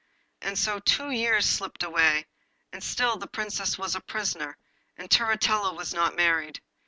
And so two years slipped away, and still the Princess was a prisoner, and Turritella was not married.